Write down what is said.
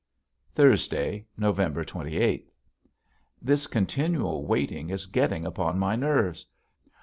Thursday, November twenty eighth. This continual waiting is getting upon my nerves.